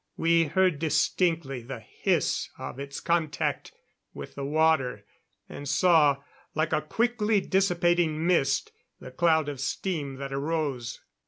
We heard distinctly the hiss of its contact with the water, and saw, like a quickly dissipating mist, the cloud of steam that arose.